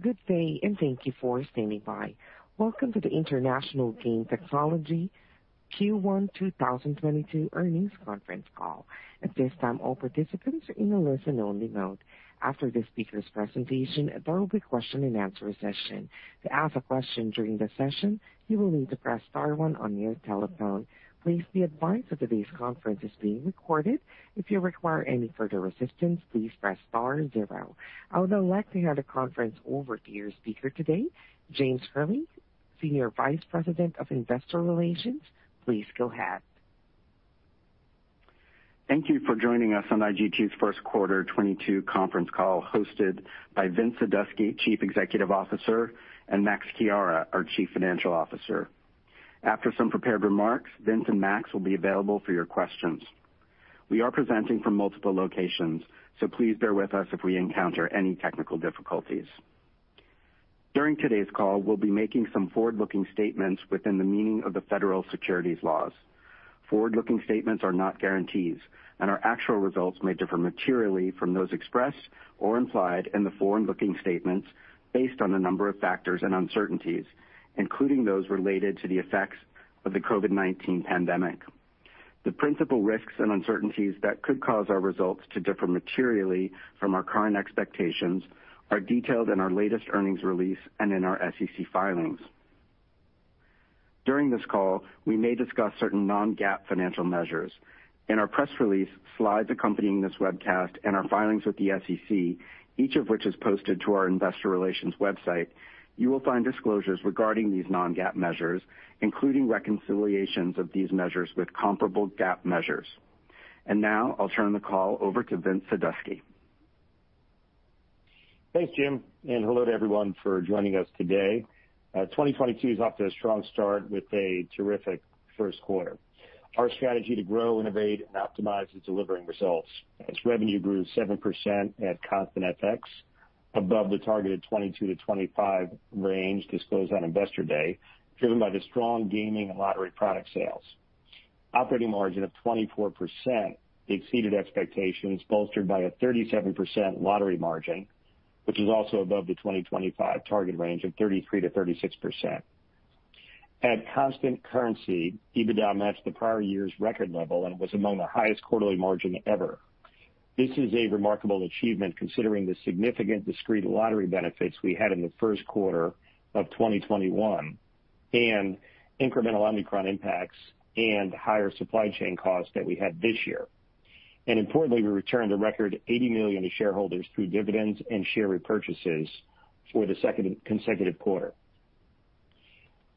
Good day, and thank you for standing by. Welcome to the International Game Technology Q1 2022 earnings conference call. At this time, all participants are in a listen-only mode. After the speakers' presentation, there will be a question-and-answer session. To ask a question during the session, you will need to press star one on your telephone. Please be advised that today's conference is being recorded. If you require any further assistance, please press star zero. I would now like to hand the conference over to your speaker today, James Hurley, Senior Vice President of Investor Relations. Please go ahead. Thank you for joining us on IGT's Q1 2022 conference call, hosted by Vince Sadusky, Chief Executive Officer, and Max Chiara, our Chief Financial Officer. After some prepared remarks, Vince and Max will be available for your questions. We are presenting from multiple locations, so please bear with us if we encounter any technical difficulties. During today's call, we'll be making some forward-looking statements within the meaning of the federal securities laws. Forward-looking statements are not guarantees, and our actual results may differ materially from those expressed or implied in the forward-looking statements based on a number of factors and uncertainties, including those related to the effects of the COVID-19 pandemic. The principal risks and uncertainties that could cause our results to differ materially from our current expectations are detailed in our latest earnings release and in our SEC filings. During this call, we may discuss certain non-GAAP financial measures. In our press release, slides accompanying this webcast, and our filings with the SEC, each of which is posted to our investor relations website, you will find disclosures regarding these non-GAAP measures, including reconciliations of these measures with comparable GAAP measures. Now I'll turn the call over to Vince Sadusky. Thanks, Jim, and hello to everyone for joining us today. 2022 is off to a strong start with a terrific Q1. Our strategy to grow, innovate, and optimize is delivering results as revenue grew 7% at constant FX above the targeted 22-25 range disclosed on Investor Day, driven by the strong gaming and lottery product sales. Operating margin of 24% exceeded expectations, bolstered by a 37% lottery margin, which is also above the 2025 target range of 33%-36%. At constant currency, EBITDA matched the prior year's record level and was among the highest quarterly margin ever. This is a remarkable achievement considering the significant discrete lottery benefits we had in the Q1 of 2021 and incremental Omicron impacts and higher supply chain costs that we had this year. Importantly, we returned a record $80 million to shareholders through dividends and share repurchases for the second consecutive quarter.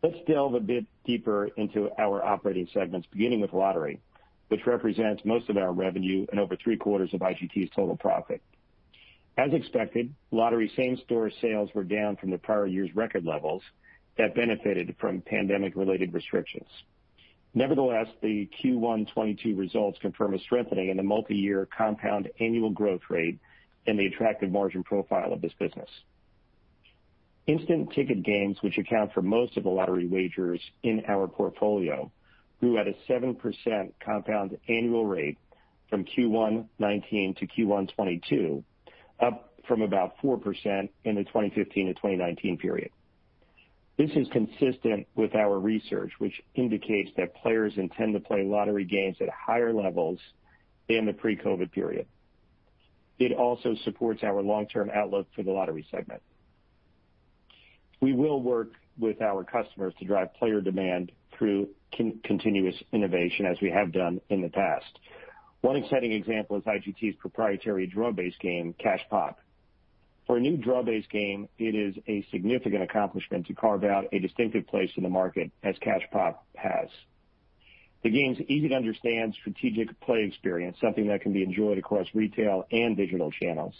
Let's delve a bit deeper into our operating segments, beginning with lottery, which represents most of our revenue and over three-quarters of IGT's total profit. As expected, lottery same-store sales were down from the prior year's record levels that benefited from pandemic-related restrictions. Nevertheless, the Q1 2022 results confirm a strengthening in the multi-year compound annual growth rate and the attractive margin profile of this business. Instant ticket games, which account for most of the lottery wagers in our portfolio, grew at a 7% compound annual rate from Q1 2019 to Q1 2022, up from about 4% in the 2015 to 2019 period. This is consistent with our research, which indicates that players intend to play lottery games at higher levels in the pre-COVID-19 period. It also supports our long-term outlook for the lottery segment. We will work with our customers to drive player demand through continuous innovation as we have done in the past. One exciting example is IGT's proprietary draw-based game, Cash Pop. For a new draw-based game, it is a significant accomplishment to carve out a distinctive place in the market as Cash Pop has. The game's easy-to-understand strategic play experience, something that can be enjoyed across retail and digital channels,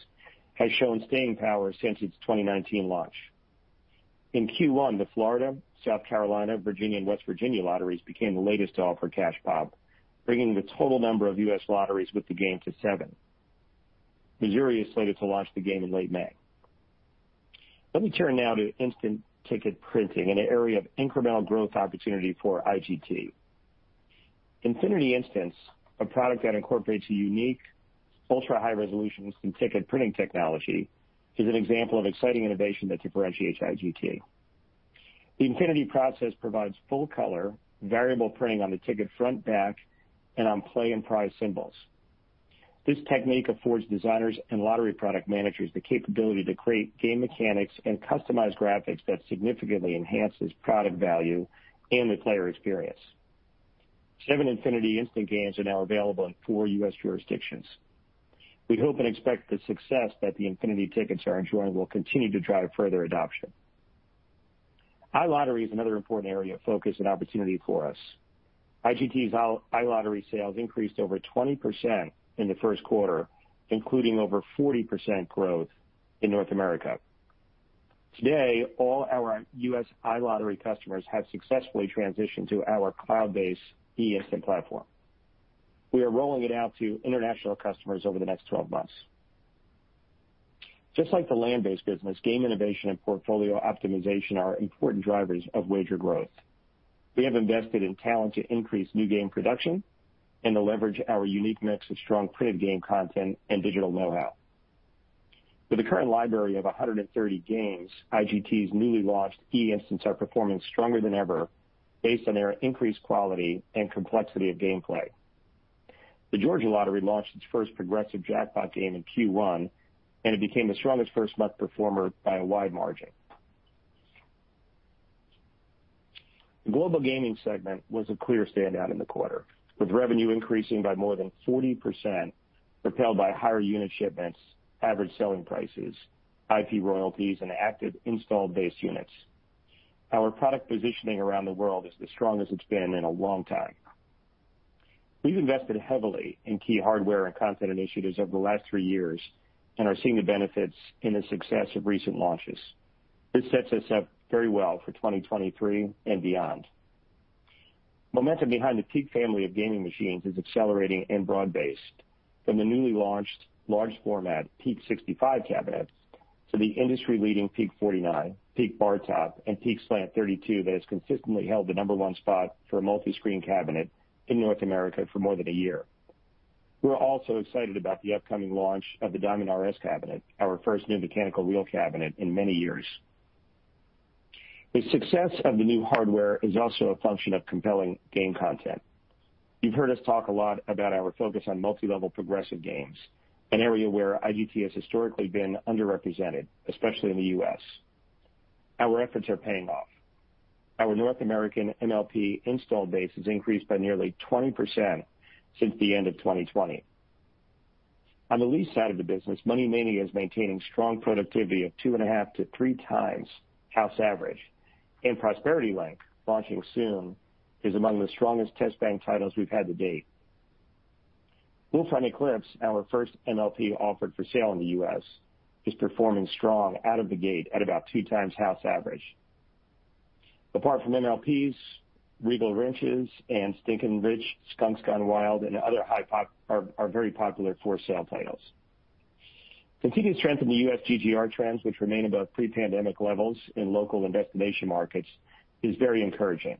has shown staying power since its 2019 launch. In Q1, the Florida, South Carolina, Virginia, and West Virginia lotteries became the latest to offer Cash Pop, bringing the total number of U.S. lotteries with the game to seven. Missouri is slated to launch the game in late May. Let me turn now to instant ticket printing, an area of incremental growth opportunity for IGT. Infinity Instants, a product that incorporates a unique ultra-high-resolution instant ticket printing technology, is an example of exciting innovation that differentiates IGT. The Infinity process provides full-color variable printing on the ticket front, back, and on play and prize symbols. This technique affords designers and lottery product managers the capability to create game mechanics and customized graphics that significantly enhances product value and the player experience. Seven Infinity instant games are now available in four U.S. jurisdictions. We hope and expect the success that the Infinity tickets are enjoying will continue to drive further adoption. iLottery is another important area of focus and opportunity for us. IGT's iLottery sales increased over 20% in the Q1, including over 40% growth in North America. Today, all our U.S. iLottery customers have successfully transitioned to our cloud-based eInstant platform. We are rolling it out to international customers over the next 12 months. Just like the land-based business, game innovation and portfolio optimization are important drivers of wager growth. We have invested in talent to increase new game production and to leverage our unique mix of strong print game content and digital know-how. With a current library of 130 games, IGT's newly launched eInstants are performing stronger than ever based on their increased quality and complexity of gameplay. The Georgia Lottery launched its first progressive jackpot game in Q1, and it became the strongest first-month performer by a wide margin. The global gaming segment was a clear standout in the quarter, with revenue increasing by more than 40%, propelled by higher unit shipments, average selling prices, IP royalties, and active installed base units. Our product positioning around the world is the strongest it's been in a long time. We've invested heavily in key hardware and content initiatives over the last three years and are seeing the benefits in the success of recent launches. This sets us up very well for 2023 and beyond. Momentum behind the Peak family of gaming machines is accelerating and broad-based. From the newly launched large format Peak65 cabinets to the industry-leading PeakSlant49, PeakBarTop, and PeakSlant32 that has consistently held the number one spot for a multi-screen cabinet in North America for more than a year. We're also excited about the upcoming launch of the DiamondRS cabinet, our first new mechanical reel cabinet in many years. The success of the new hardware is also a function of compelling game content. You've heard us talk a lot about our focus on multi-level progressive games, an area where IGT has historically been underrepresented, especially in the U.S. Our efforts are paying off. Our North American MLP install base has increased by nearly 20% since the end of 2020. On the lease side of the business, Money Mania is maintaining strong productivity of 2.5 to 3x House average. Prosperity Link, launching soon, is among the strongest test bank titles we've had to date. Wolf Run Eclipse, our first MLP offered for sale in the U.S., is performing strong out of the gate at about two times house average. Apart from MLPs, Regal Riches and Stinkin Rich Skunks Gone Wild and other high pop are very popular for-sale titles. Continued strength in the US GGR trends, which remain above pre-pandemic levels in local and destination markets, is very encouraging.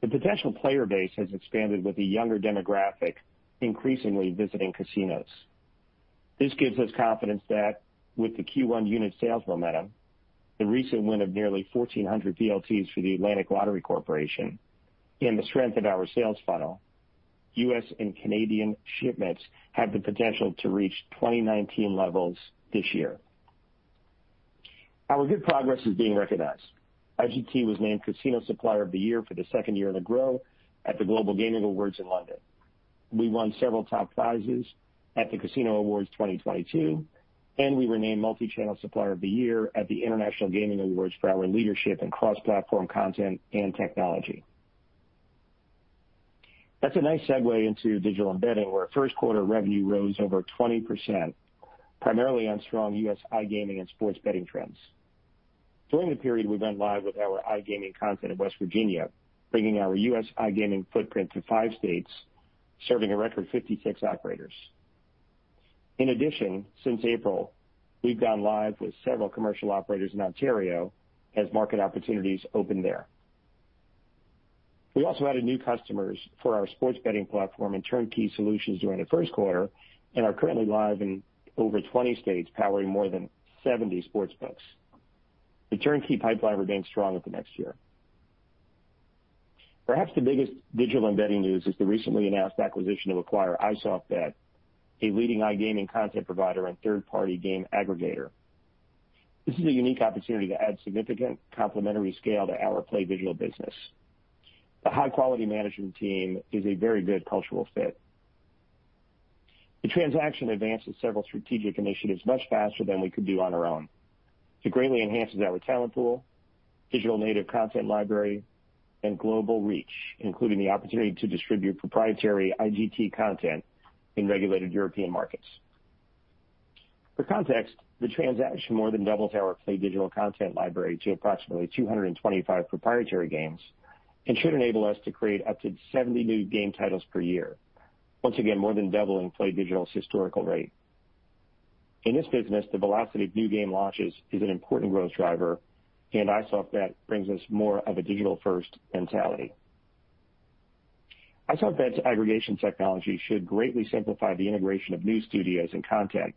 The potential player base has expanded with a younger demographic, increasingly visiting casinos. This gives us confidence that with the Q1 unit sales momentum, the recent win of nearly 1,400 VLTs for the Atlantic Lottery Corporation, and the strength of our sales funnel, US and Canadian shipments have the potential to reach 2019 levels this year. Our good progress is being recognized. IGT was named Casino Supplier of the Year for the second year in a row at the Global Gaming Awards in London. We won several top prizes at the Casino Awards 2022, and we were named Multichannel Supplier of the Year at the International Gaming Awards for our leadership in cross-platform content and technology. That's a nice segue into Digital & Betting, where Q1 revenue rose over 20%, primarily on strong U.S. iGaming and sports betting trends. During the period, we went live with our iGaming content in West Virginia, bringing our U.S. iGaming footprint to five states, serving a record 56 operators. In addition, since April, we've gone live with several commercial operators in Ontario as market opportunities open there. We also added new customers for our sports betting platform and turnkey solutions during the Q1 and are currently live in over 20 states, powering more than 70 sportsbooks. The turnkey pipeline remains strong over the next year. Perhaps the biggest Digital & Betting news is the recently announced acquisition of iSoftBet, a leading iGaming content provider and third-party game aggregator. This is a unique opportunity to add significant complementary scale to our PlayDigital business. The high-quality management team is a very good cultural fit. The transaction advances several strategic initiatives much faster than we could do on our own. It greatly enhances our talent pool, digital native content library, and global reach, including the opportunity to distribute proprietary IGT content in regulated European markets. For context, the transaction more than doubles our PlayDigital content library to approximately 225 proprietary games and should enable us to create up to 70 new game titles per year. Once again, more than doubling PlayDigital's historical rate. In this business, the velocity of new game launches is an important growth driver, and iSoftBet brings us more of a digital-first mentality. iSoftBet's aggregation technology should greatly simplify the integration of new studios and content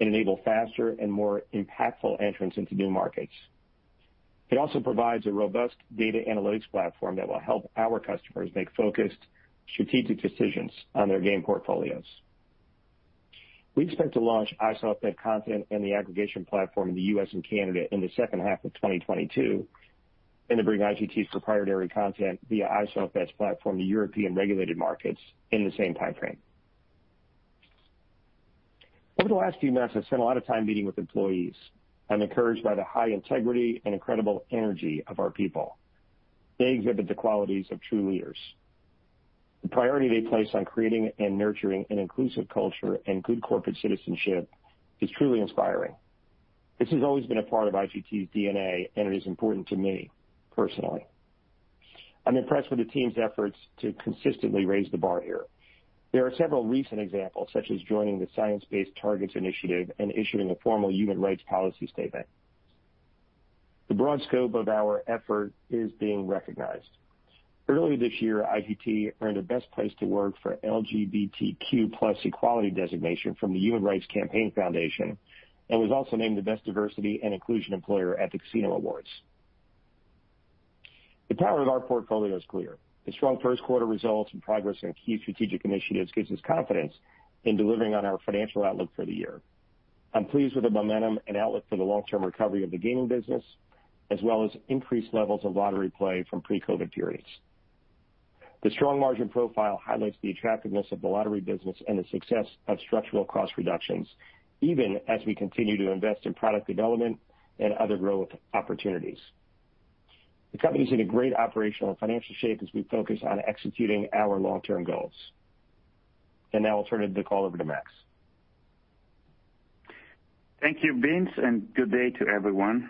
and enable faster and more impactful entrance into new markets. It also provides a robust data analytics platform that will help our customers make focused strategic decisions on their game portfolios. We expect to launch iSoftBet content and the aggregation platform in the U.S. and Canada in the H2 of 2022, and to bring IGT's proprietary content via iSoftBet's platform to European regulated markets in the same timeframe. Over the last few months, I've spent a lot of time meeting with employees. I'm encouraged by the high integrity and incredible energy of our people. They exhibit the qualities of true leaders. The priority they place on creating and nurturing an inclusive culture and good corporate citizenship is truly inspiring. This has always been a part of IGT's DNA, and it is important to me personally. I'm impressed with the team's efforts to consistently raise the bar here. There are several recent examples, such as joining the Science Based Targets initiative and issuing a formal human rights policy statement. The broad scope of our effort is being recognized. Earlier this year, IGT earned a Best Place to Work for LGBTQ plus equality designation from the Human Rights Campaign Foundation, and was also named the Best Diversity and Inclusion Employer at the Casino Awards. The power of our portfolio is clear. The strong Q1 results and progress in key strategic initiatives gives us confidence in delivering on our financial outlook for the year. I'm pleased with the momentum and outlook for the long-term recovery of the gaming business, as well as increased levels of lottery play from pre-COVID-19 periods. The strong margin profile highlights the attractiveness of the lottery business and the success of structural cost reductions, even as we continue to invest in product development and other growth opportunities. The company is in a great operational and financial shape as we focus on executing our long-term goals. Now I'll turn the call over to Max. Thank you, Vince, and good day to everyone.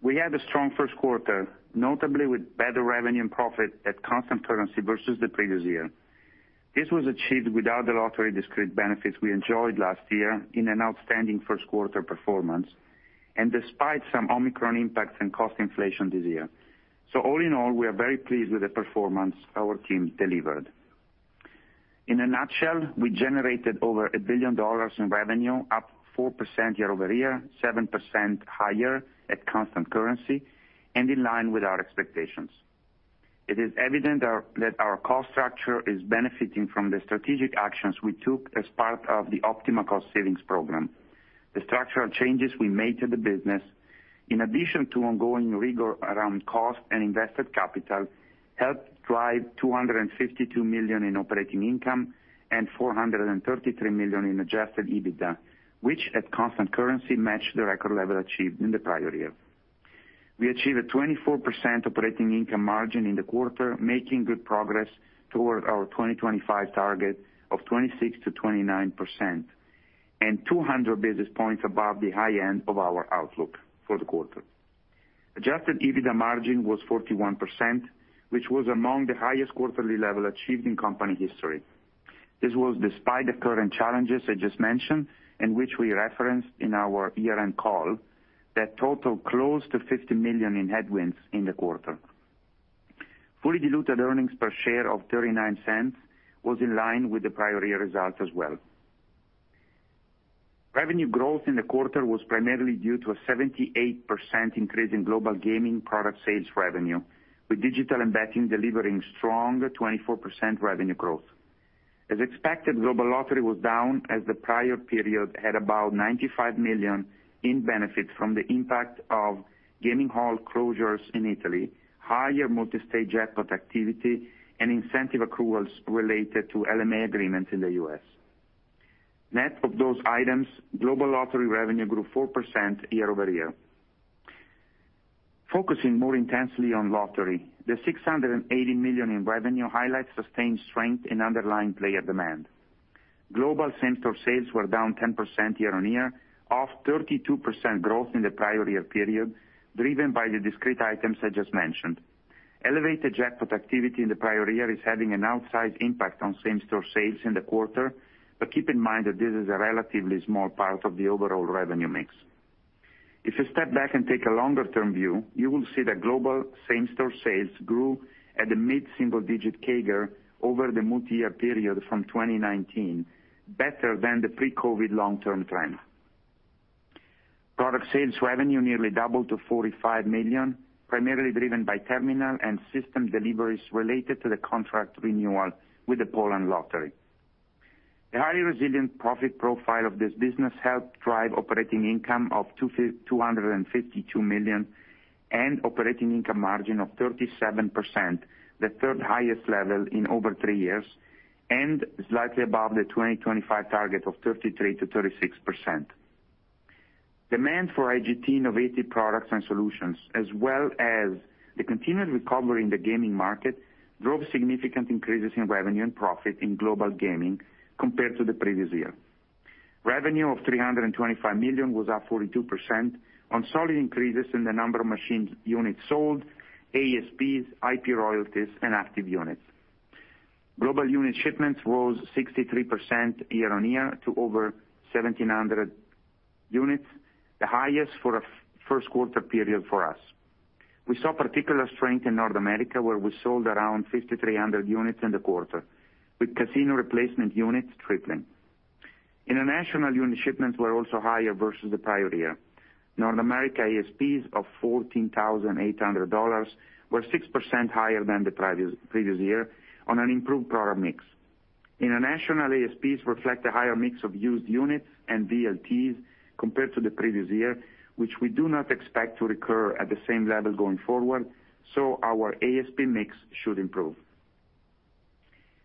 We had a strong Q1, notably with better revenue and profit at constant currency versus the previous year. This was achieved without the lottery discrete benefits we enjoyed last year in an outstanding Q1 performance and despite some Omicron impacts and cost inflation this year. All in all, we are very pleased with the performance our team delivered. In a nutshell, we generated over $1 billion in revenue, up 4% year-over-year, 7% higher at constant currency, and in line with our expectations. It is evident that our cost structure is benefiting from the strategic actions we took as part of the OPtiMal cost savings program. The structural changes we made to the business, in addition to ongoing rigor around cost and invested capital, helped drive $252 million in operating income and $433 million in adjusted EBITDA, which at constant currency, matched the record level achieved in the prior year. We achieved a 24% operating income margin in the quarter, making good progress toward our 2025 target of 26%-29% and 200 basis points above the high end of our outlook for the quarter. Adjusted EBITDA margin was 41%, which was among the highest quarterly level achieved in company history. This was despite the current challenges I just mentioned, and which we referenced in our year-end call that totaled close to $50 million in headwinds in the quarter. Fully diluted earnings per share of 39 cents was in line with the prior year results as well. Revenue growth in the quarter was primarily due to a 78% increase in global gaming product sales revenue, with Digital & Betting delivering strong 24% revenue growth. As expected, global lottery was down as the prior period had about $95 million in benefits from the impact of gaming hall closures in Italy, higher multi-state jackpot activity and incentive accruals related to LMA agreements in the US. Net of those items, global lottery revenue grew 4% year-over-year. Focusing more intensely on lottery, the $680 million in revenue highlights sustained strength in underlying player demand. Global same-store sales were down 10% year-over-year, off 32% growth in the prior year period, driven by the discrete items I just mentioned. Elevated jackpot activity in the prior year is having an outsized impact on same-store sales in the quarter, but keep in mind that this is a relatively small part of the overall revenue mix. If you step back and take a longer-term view, you will see that global same-store sales grew at a mid-single digit CAGR over the multi-year period from 2019, better than the pre-COVID long-term trend. Product sales revenue nearly doubled to $45 million, primarily driven by terminal and system deliveries related to the contract renewal with the Poland lottery. The highly resilient profit profile of this business helped drive operating income of $252 million and operating income margin of 37%, the third highest level in over three years, and slightly above the 2025 target of 33%-36%. Demand for IGT innovative products and solutions, as well as the continued recovery in the gaming market, drove significant increases in revenue and profit in global gaming compared to the previous year. Revenue of $325 million was up 42% on solid increases in the number of machine units sold, ASPs, IP royalties, and active units. Global unit shipments rose 63% year-on-year to over 1,700 units, the highest for a Q1 period for us. We saw particular strength in North America, where we sold around 5,300 units in the quarter, with casino replacement units tripling. International unit shipments were also higher versus the prior year. North America ASPs of $14,800 were 6% higher than the previous year on an improved product mix. International ASPs reflect a higher mix of used units and VLTs compared to the previous year, which we do not expect to recur at the same level going forward, so our ASP mix should improve.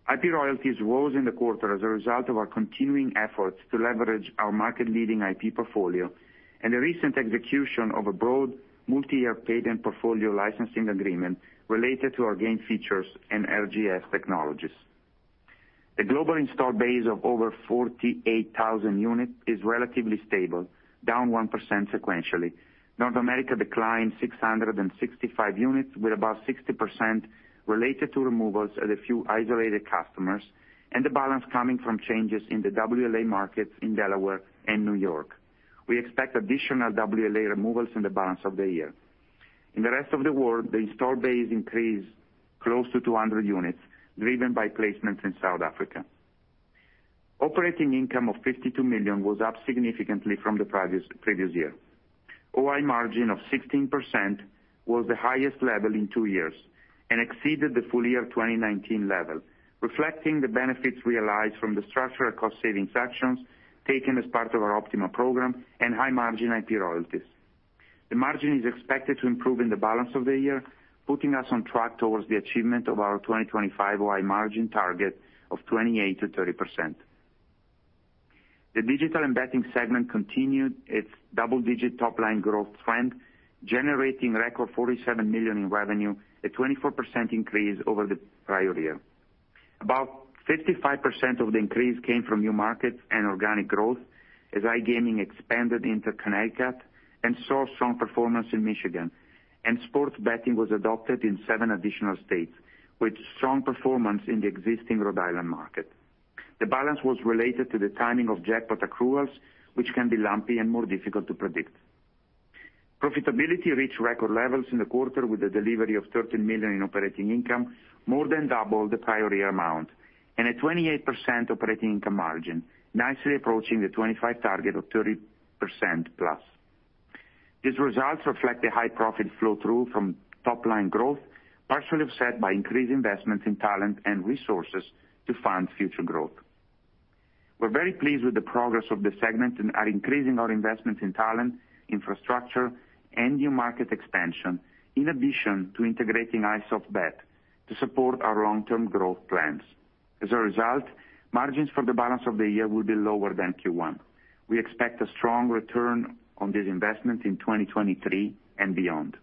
IP royalties rose in the quarter as a result of our continuing efforts to leverage our market-leading IP portfolio and the recent execution of a broad multi-year patent portfolio licensing agreement related to our game features and LGS technologies. The global install base of over 48,000 units is relatively stable, down 1% sequentially. North America declined 665 units, with about 60% related to removals at a few isolated customers and the balance coming from changes in the WLA markets in Delaware and New York. We expect additional WLA removals in the balance of the year. In the rest of the world, the install base increased close to 200 units, driven by placements in South Africa. Operating income of $52 million was up significantly from the previous year. OI margin of 16% was the highest level in two years and exceeded the full year 2019 level, reflecting the benefits realized from the structural cost savings actions taken as part of our OPtiMal program and high-margin IP royalties. The margin is expected to improve in the balance of the year, putting us on track towards the achievement of our 2025 OI margin target of 28%-30%. The Digital & Betting segment continued its double-digit top-line growth trend, generating record $47 million in revenue, a 24% increase over the prior year. About 55% of the increase came from new markets and organic growth as iGaming expanded into Connecticut and saw strong performance in Michigan, and sports betting was adopted in seven additional states, with strong performance in the existing Rhode Island market. The balance was related to the timing of jackpot accruals, which can be lumpy and more difficult to predict. Profitability reached record levels in the quarter with the delivery of $13 million in operating income, more than double the prior year amount, and a 28% operating income margin, nicely approaching the 25% target of 30% plus. These results reflect the high profit flow through from top-line growth, partially offset by increased investments in talent and resources to fund future growth. We're very pleased with the progress of this segment and are increasing our investments in talent, infrastructure, and new market expansion, in addition to integrating iSoftBet to support our long-term growth plans. As a result, margins for the balance of the year will be lower than Q1. We expect a strong return on this investment in 2023 and beyond.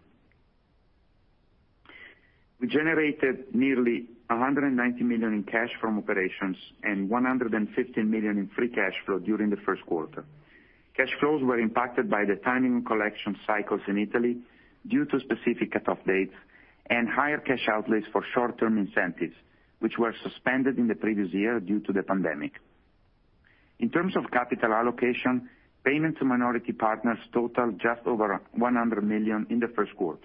We generated nearly $190 million in cash from operations and $115 million in free cash flow during the Q1. Cash flows were impacted by the timing collection cycles in Italy due to specific cutoff dates and higher cash outlays for short-term incentives, which were suspended in the previous year due to the pandemic. In terms of capital allocation, payments to minority partners totaled just over $100 million in the Q1.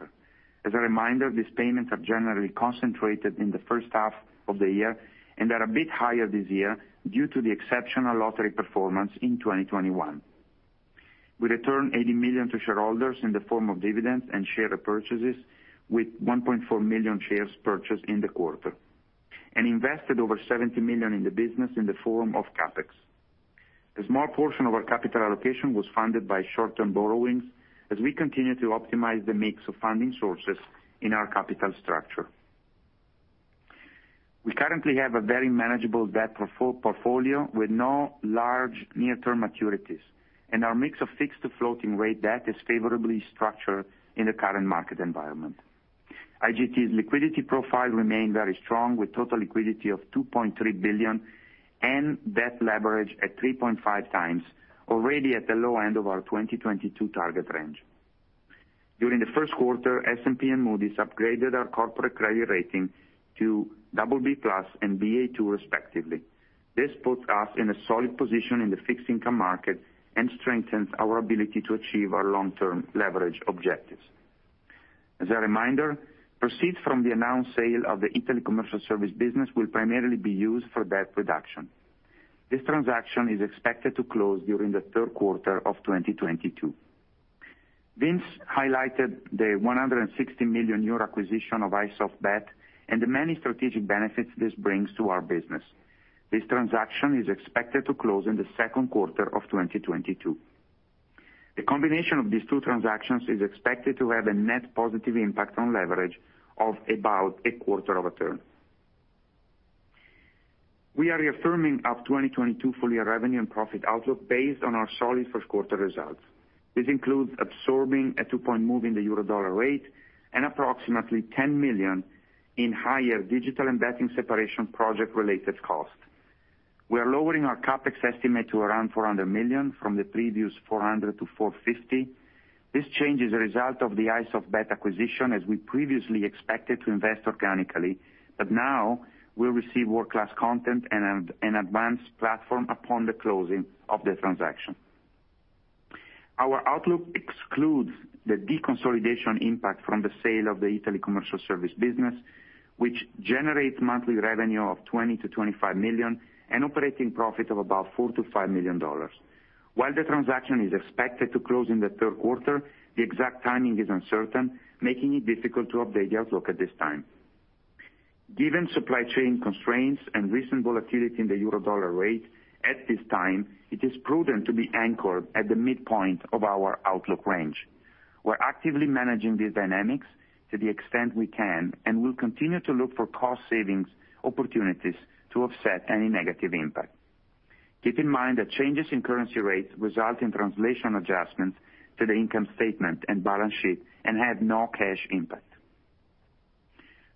As a reminder, these payments are generally concentrated in the H1 of the year and are a bit higher this year due to the exceptional lottery performance in 2021. We returned $80 million to shareholders in the form of dividends and share purchases with 1.4 million shares purchased in the quarter, and invested over $70 million in the business in the form of CapEx. A small portion of our capital allocation was funded by short-term borrowings as we continue to optimize the mix of funding sources in our capital structure. We currently have a very manageable debt portfolio with no large near-term maturities, and our mix of fixed to floating rate debt is favorably structured in the current market environment. IGT's liquidity profile remained very strong, with total liquidity of $2.3 billion and debt leverage at 3.5x, already at the low end of our 2022 target range. During the Q1, S&P and Moody's upgraded our corporate credit rating to BB+ and Ba2 respectively. This puts us in a solid position in the fixed income market and strengthens our ability to achieve our long-term leverage objectives. As a reminder, proceeds from the announced sale of the Italy commercial service business will primarily be used for debt reduction. This transaction is expected to close during the Q3 of 2022. Vince highlighted the 160 million euro acquisition of iSoftBet and the many strategic benefits this brings to our business. This transaction is expected to close in the Q2 of 2022. The combination of these two transactions is expected to have a net positive impact on leverage of about a quarter of a turn. We are reaffirming our 2022 full-year revenue and profit outlook based on our solid Q1 results. This includes absorbing a two point move in the euro dollar rate and approximately $10 million in higher digital embedding separation project-related costs. We are lowering our CapEx estimate to around $400 million from the previous $400-$450. This change is a result of the iSoftBet acquisition, as we previously expected to invest organically. Now we'll receive world-class content and an advanced platform upon the closing of the transaction. Our outlook excludes the deconsolidation impact from the sale of the Italy commercial service business, which generates monthly revenue of $20-$25 million and operating profit of about $4-$5 million. While the transaction is expected to close in the Q3, the exact timing is uncertain, making it difficult to update the outlook at this time. Given supply chain constraints and recent volatility in the euro dollar rate, at this time, it is prudent to be anchored at the midpoint of our outlook range. We're actively managing these dynamics to the extent we can, and we'll continue to look for cost savings opportunities to offset any negative impact. Keep in mind that changes in currency rates result in translation adjustments to the income statement and balance sheet and have no cash impact.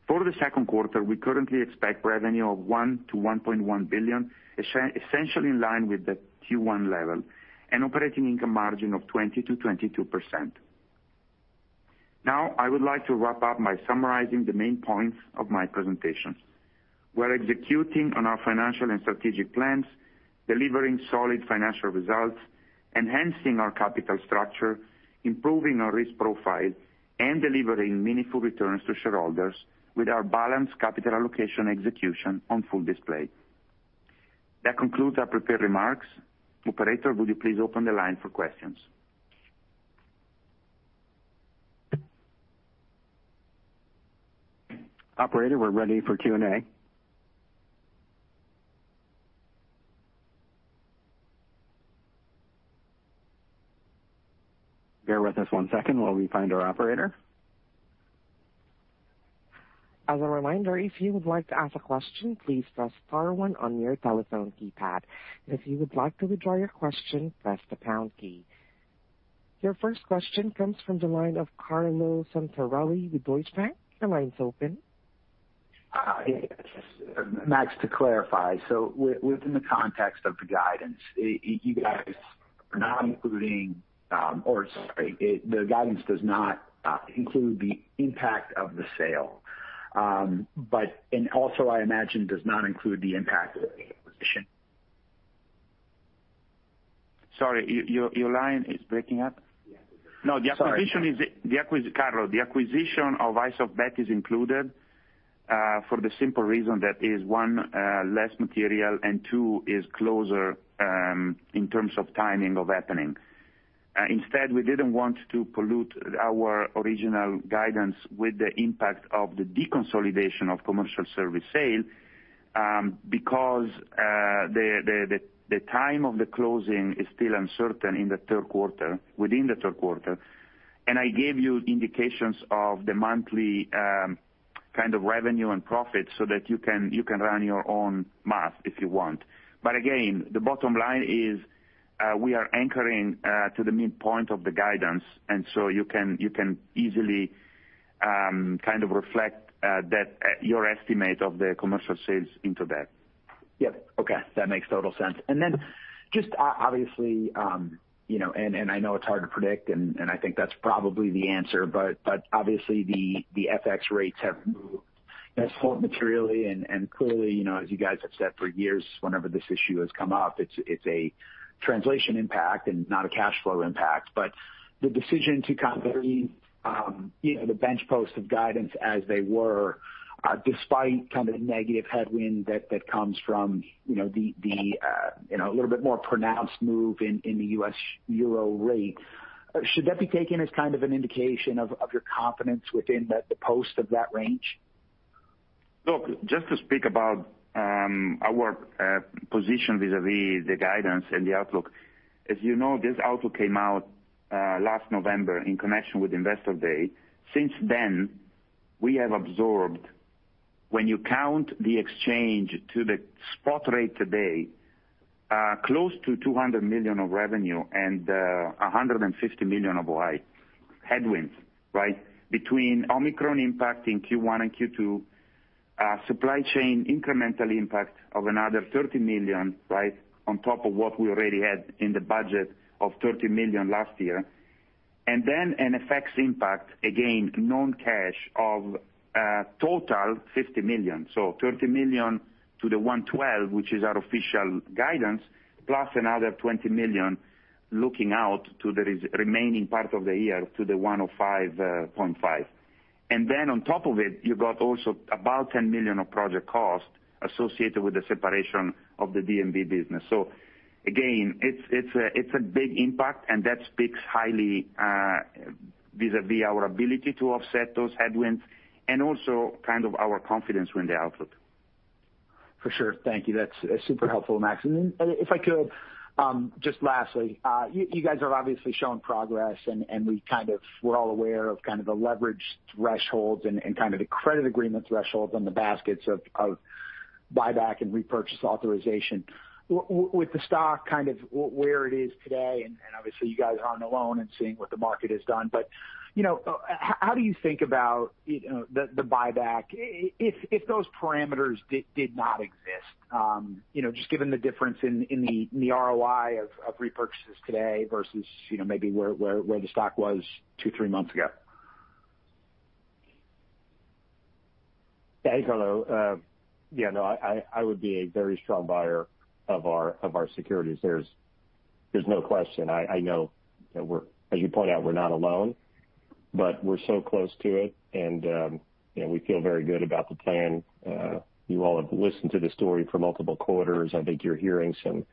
For the Q2, we currently expect revenue of $1-$1.1 billion, essentially in line with the Q1 level, and operating income margin of 20%-22%. Now I would like to wrap up by summarizing the main points of my presentation. We're executing on our financial and strategic plans, delivering solid financial results, enhancing our capital structure, improving our risk profile, and delivering meaningful returns to shareholders with our balanced capital allocation execution on full display. That concludes our prepared remarks. Operator, would you please open the line for questions? Operator, we're ready for Q&A. Bear with us one second while we find our operator. As a reminder, if you would like to ask a question, please press star one on your telephone keypad. If you would like to withdraw your question, press the pound key. Your first question comes from the line of Carlo Santarelli with Deutsche Bank. Your line's open. Yes. Max, to clarify, within the context of the guidance, the guidance does not include the impact of the sale. I imagine does not include the impact of the [acquisition]- Sorry, your line is breaking up. Yeah. No, the acquisition is. Sorry. The acquisition, Carlo, the acquisition of iSoftBet is included for the simple reason that is one less material, and two is closer in terms of timing of happening. Instead, we didn't want to pollute our original guidance with the impact of the deconsolidation of commercial services sale because the time of the closing is still uncertain in the Q3, within the Q3. I gave you indications of the monthly kind of revenue and profit so that you can run your own math if you want. Again, the bottom line is we are anchoring to the midpoint of the guidance, and so you can easily kind of reflect that your estimate of the commercial sales into that. Yep. Okay. That makes total sense. Then just obviously, you know, and I know it's hard to predict, and I think that's probably the answer, but obviously the FX rates have moved. That's held materially and clearly, you know, as you guys have said for years, whenever this issue has come up, it's a translation impact and not a cash flow impact. The decision to kind of leave, you know, the midpoint of guidance as they were, despite kind of the negative headwind that comes from, you know, a little bit more pronounced move in the U.S. euro rate. Should that be taken as kind of an indication of your confidence in the midpoint of that range? Look, just to speak about our position vis-a-vis the guidance and the outlook. As you know, this outlook came out last November in connection with Investor Day. Since then, we have absorbed, when you count the exchange to the spot rate today, close to $200 million of revenue and $150 million of OI headwinds, right? Between Omicron impact in Q1 and Q2, supply chain incremental impact of another $30 million, right? On top of what we already had in the budget of $30 million last year. Then FX effects impact, again, non-cash of total $50 million. Thirty million to the 112, which is our official guidance, plus another $20 million looking out to the remaining part of the year to the 105.5. On top of it, you got also about $10 million of project cost associated with the separation of the D&B business. Again, it's a big impact, and that speaks highly vis-à-vis our ability to offset those headwinds and also kind of our confidence in the outlook. For sure. Thank you. That's super helpful, Max. Then if I could just lastly, you guys are obviously showing progress and we're all aware of kind of the leverage thresholds and kind of the credit agreement thresholds and the baskets of buyback and repurchase authorization. With the stock kind of where it is today, and obviously you guys aren't alone in seeing what the market has done. You know, how do you think about, you know, the buyback if those parameters did not exist? You know, just given the difference in the ROI of repurchases today versus, you know, maybe where the stock was two, three months ago. Hey, Carlo. Yeah, no, I would be a very strong buyer of our securities. There's no question. I know that we're, as you point out, we're not alone, but we're so close to it and, you know, we feel very good about the plan. You all have listened to the story for multiple quarters. I think you're hearing some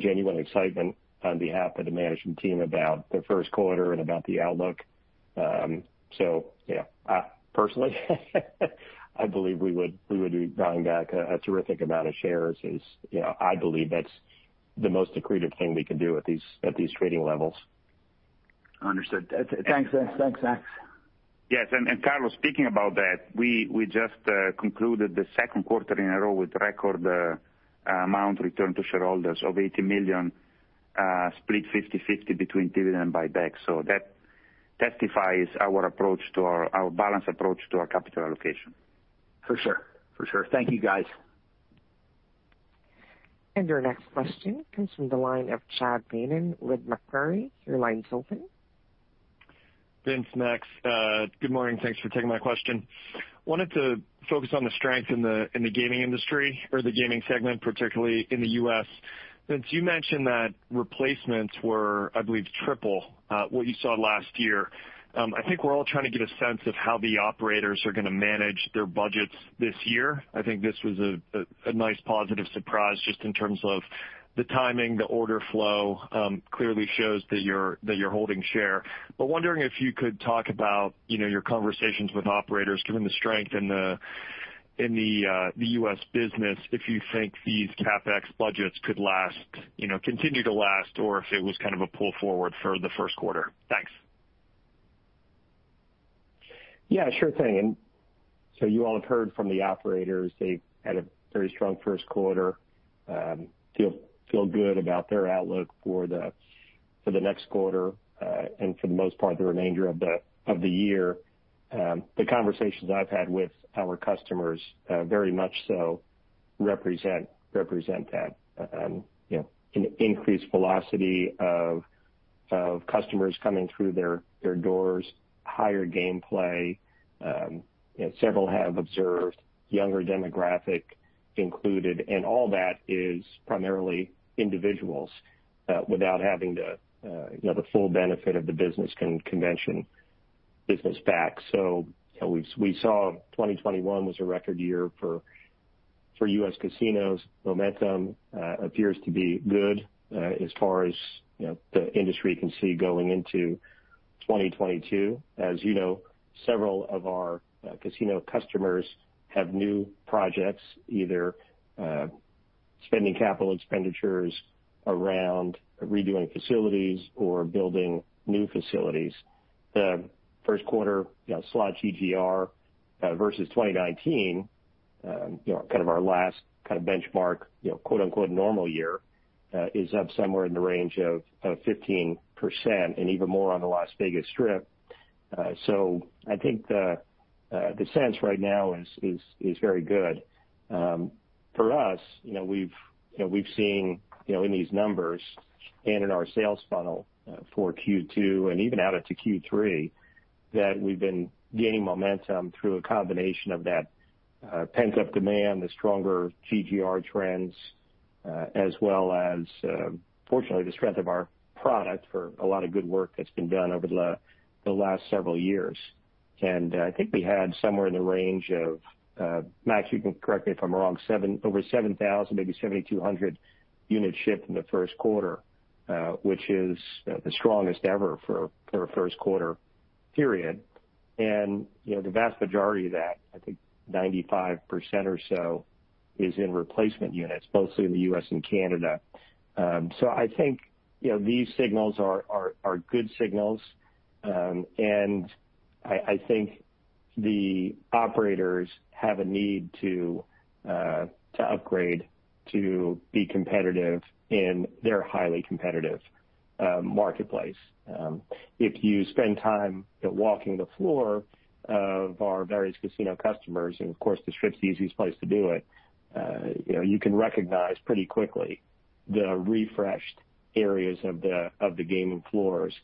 genuine excitement on behalf of the management team about the Q1 and about the outlook. So yeah. Personally, I believe we would be buying back a terrific amount of shares. You know, I believe that's the most accretive thing we can do at these trading levels. Understood. Thanks, Max. Yes. Carlo, speaking about that, we just concluded the Q2 in a row with record amount returned to shareholders of $80 million, split 50/50 between dividend and buyback. That testifies to our balanced approach to capital allocation. For sure. Thank you, guys. Your next question comes from the line of Chad Beynon with Macquarie. Your line's open. Vince, Max, good morning. Thanks for taking my question. Wanted to focus on the strength in the gaming segment, particularly in the U.S. Vince, you mentioned that replacements were, I believe, triple what you saw last year. I think we're all trying to get a sense of how the operators are gonna manage their budgets this year. I think this was a nice positive surprise just in terms of the timing, the order flow, clearly shows that you're holding share. Wondering if you could talk about, you know, your conversations with operators given the strength in the U.S. business, if you think these CapEx budgets could last, you know, continue to last or if it was kind of a pull forward for the Q1. Thanks. Yeah, sure thing. You all have heard from the operators, they've had a very strong Q1, feel good about their outlook for the next quarter, and for the most part the remainder of the year. The conversations I've had with our customers very much so represent that. You know, an increased velocity of customers coming through their doors, higher game play. You know, several have observed younger demographic included and all that is primarily individuals without having you know, the full benefit of the business convention business back. We saw 2021 was a record year for US casinos. Momentum appears to be good, as far as you know, the industry can see going into 2022. As you know, several of our casino customers have new projects, either spending capital expenditures around redoing facilities or building new facilities. The Q1, you know, slot GGR versus 2019, you know, kind of our last kind of benchmark, you know, quote-unquote normal year, is up somewhere in the range of 15% and even more on the Las Vegas Strip. I think the sense right now is very good. For us, you know, we've seen, you know, in these numbers and in our sales funnel, for Q2 and even out into Q3, that we've been gaining momentum through a combination of that, pent-up demand, the stronger GGR trends, as well as, fortunately the strength of our product for a lot of good work that's been done over the last several years. I think we had somewhere in the range of, Max you can correct me if I'm wrong, over 7,000, maybe 7,200 units shipped in the Q1, which is the strongest ever for a Q1 period. You know, the vast majority of that, I think 95% or so is in replacement units, mostly in the US and Canada. I think, you know, these signals are good signals. I think the operators have a need to upgrade to be competitive in their highly competitive marketplace. If you spend time walking the floor of our various casino customers, and of course the Strip's the easiest place to do it, you know, you can recognize pretty quickly the refreshed areas of the gaming floors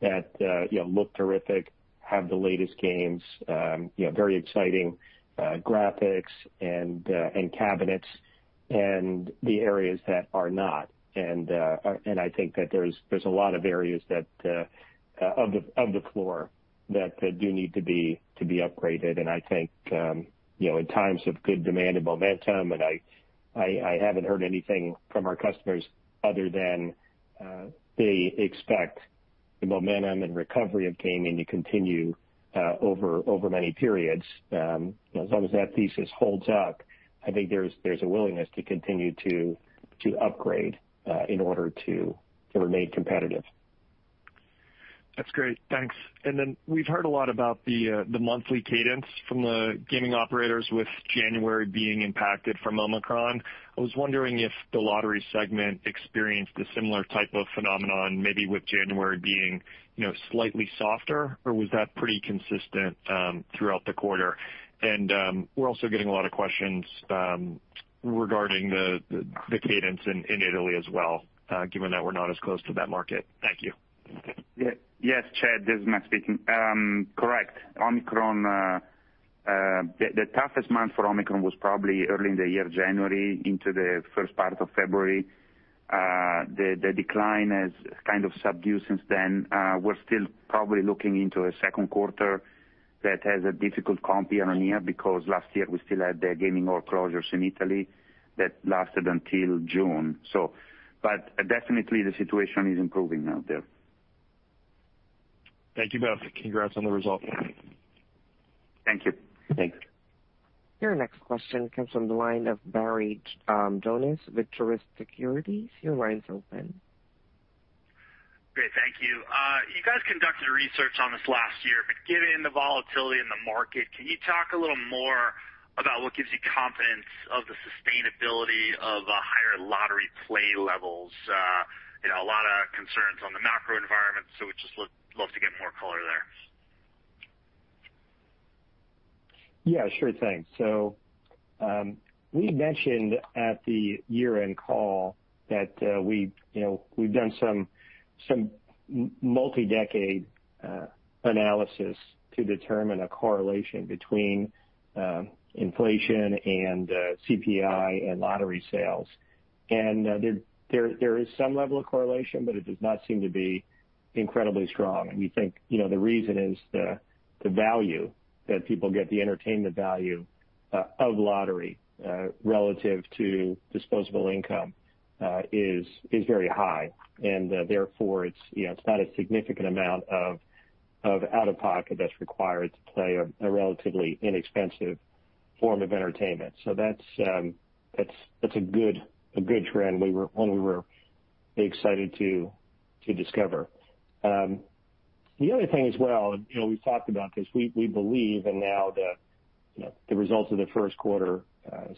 that, you know, look terrific, have the latest games, you know, very exciting graphics and cabinets and the areas that are not. I think that there's a lot of areas of the floor that do need to be upgraded. I think, you know, in times of good demand and momentum and I haven't heard anything from our customers other than they expect the momentum and recovery of gaming to continue over many periods. As long as that thesis holds up, I think there's a willingness to continue to upgrade in order to remain competitive. That's great. Thanks. We've heard a lot about the monthly cadence from the gaming operators with January being impacted from Omicron. I was wondering if the lottery segment experienced a similar type of phenomenon, maybe with January being, you know, slightly softer or was that pretty consistent throughout the quarter? We're also getting a lot of questions regarding the cadence in Italy as well, given that we're not as close to that market. Thank you. Yeah. Yes, Chad, this is Max speaking. Correct. The toughest month for Omicron was probably early in the year, January into the first part of February. The decline has kind of subsided since then. We're still probably looking into a Q2 that has a difficult comp year-over-year because last year we still had the gaming hall closures in Italy that lasted until June. But definitely the situation is improving out there. Thank you both. Congrats on the result. Thank you. Thanks. Your next question comes from the line of Barry Jonas with Truist Securities. Your line's open. Great. Thank you. You guys conducted research on this last year, but given the volatility in the market, can you talk a little more about what gives you confidence of the sustainability of higher lottery play levels? You know, a lot of concerns on the macro environment, so we'd just love to get more color there. Yeah, sure thing. We mentioned at the year-end call that, you know, we've done some multi-decade analysis to determine a correlation between inflation and CPI and lottery sales. There is some level of correlation, but it does not seem to be incredibly strong. We think, you know, the reason is the value that people get, the entertainment value of lottery relative to disposable income is very high. Therefore it's, you know, it's not a significant amount of out-of-pocket that's required to play a relatively inexpensive form of entertainment. That's a good trend, one we were excited to discover. The other thing as well, you know, we've talked about this. We believe, and now the, you know, the results of the Q1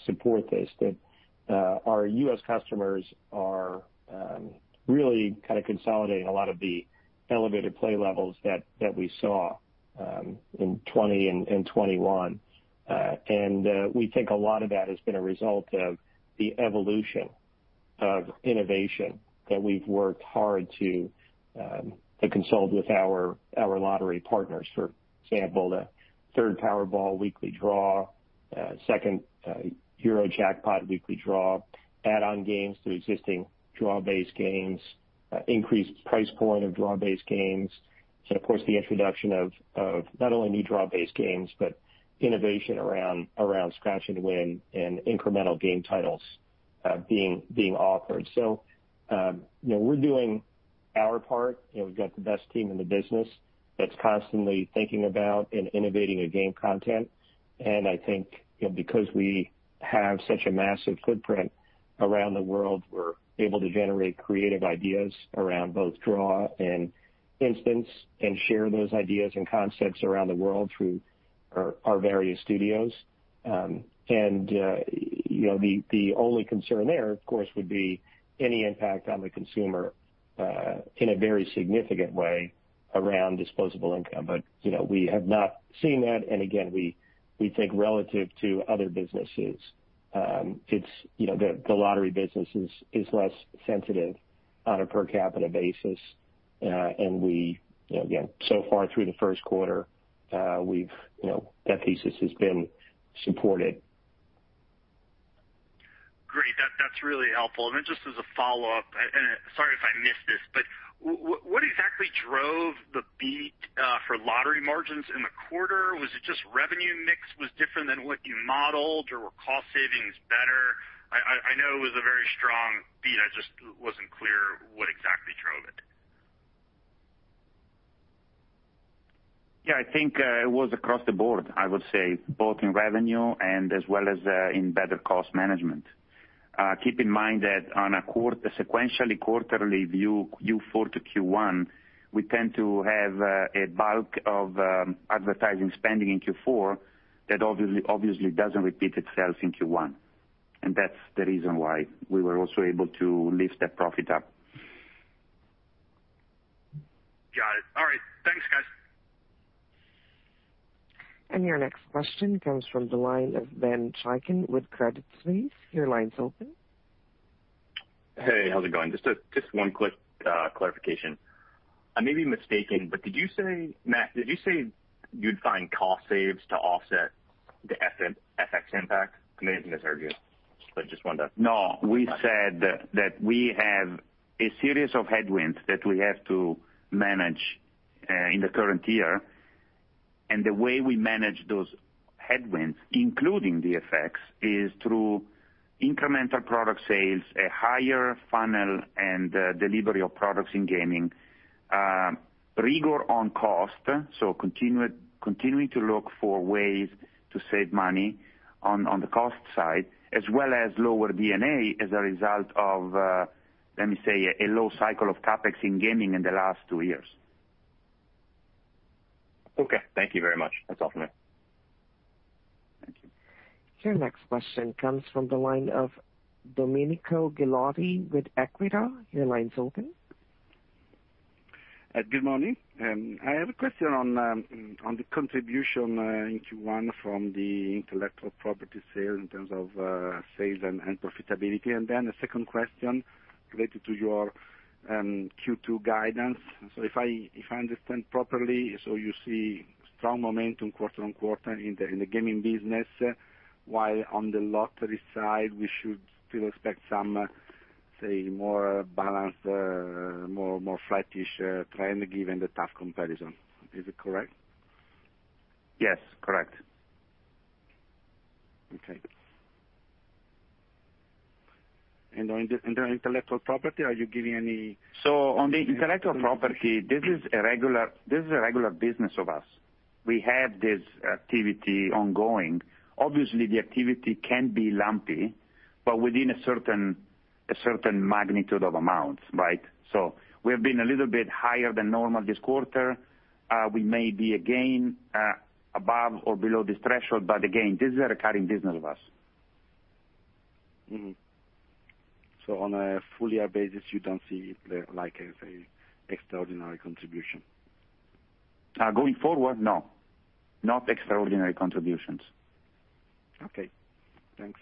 support this, that our U.S. customers are really kind of consolidating a lot of the elevated play levels that we saw in 2020 and 2021. We think a lot of that has been a result of the evolution of innovation that we've worked hard to consult with our lottery partners. For example, the third Powerball weekly draw, second Eurojackpot weekly draw, add-on games to existing draw-based games, increased price point of draw-based games, and of course, the introduction of not only new draw-based games, but innovation around scratch and win and incremental game titles being offered. You know, we're doing our part. You know, we've got the best team in the business that's constantly thinking about and innovating game content. I think, you know, because we have such a massive footprint around the world, we're able to generate creative ideas around both draw and instant and share those ideas and concepts around the world through our various studios. You know, the only concern there, of course, would be any impact on the consumer in a very significant way around disposable income. We have not seen that. We think relative to other businesses, it's, you know, the lottery business is less sensitive on a per capita basis. We, you know, again, so far through the Q1, we've, you know, that thesis has been supported. Great. That's really helpful. Then just as a follow-up, and sorry if I missed this, but what exactly drove the beat for lottery margins in the quarter? Was it just revenue mix was different than what you modeled, or were cost savings better? I know it was a very strong beat. I just wasn't clear what exactly drove it. Yeah. I think it was across the board, I would say, both in revenue and as well as in better cost management. Keep in mind that on a sequential quarterly view, Q4 to Q1, we tend to have a bulk of advertising spending in Q4 that obviously doesn't repeat itself in Q1. That's the reason why we were also able to lift that profit up. Got it. All right. Thanks, guys. Your next question comes from the line of Ben Chaiken with Credit Suisse. Your line's open. Hey, how's it going? Just one quick clarification. I may be mistaken, but did you say, Max Chiara, did you say you'd find cost savings to offset the FX impact? I may have misheard you, but just wanted to. No. We said that we have a series of headwinds that we have to manage in the current year. The way we manage those headwinds, including the effects, is through incremental product sales at higher ASPs and delivery of products in gaming. Rigor on cost, continuing to look for ways to save money on the cost side as well as lower D&A as a result of, let me say, a low cycle of CapEx in gaming in the last two years. Okay. Thank you very much. That's all for me. Thank you. Your next question comes from the line of Domenico Ghilotti with Equita. Your line's open. Good morning. I have a question on the contribution in Q1 from the intellectual property sale in terms of sales and profitability. Then the second question related to your Q2 guidance. If I understand properly, you see strong momentum quarter-on-quarter in the gaming business, while on the lottery side, we should still expect some, say, more balanced, more flattish trend given the tough comparison. Is it correct? Yes, correct. Okay. On intellectual property, are you giving any? On the intellectual property, this is a regular business of ours. We have this activity ongoing. Obviously, the activity can be lumpy, but within a certain magnitude of amounts, right? We have been a little bit higher than normal this quarter. We may be again above or below this threshold, but again, this is a recurring business of ours. On a full-year basis, you don't see it like as a extraordinary contribution? Going forward, no, not extraordinary contributions. Okay. Thanks.